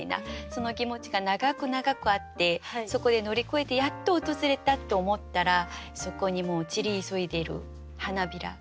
その気持ちが永く永くあってそこで乗り越えてやっと訪れたと思ったらそこにもう散り急いでる花びら。